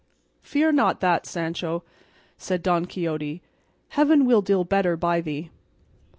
"Fear not that, Sancho," said Don Quixote: "Heaven will deal better by thee."